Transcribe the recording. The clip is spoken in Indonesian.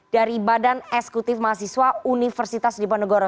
dari badan esekutif mahasiswa universitas dipendegoro